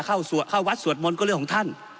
เข้าวัดสวดมนต์ก็เรื่องของท่าน